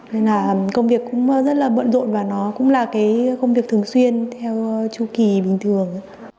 nên là công việc cũng rất là bận rộn và nó cũng là cái công việc thường xuyên theo chu kỳ bình thường